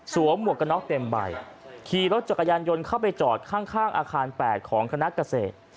สวมหมวกนอกเต็มใบขี่รถจักรยานยนต์เข้าไปจอดข้างอาคารแปดของคณะเกษตร